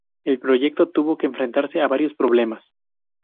El proyecto tuvo que enfrentarse a varios problemas.